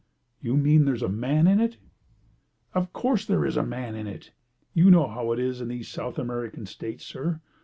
"You mean there is a man in it?" "Of course there is a man in it. You know how it is in these South American States, sir.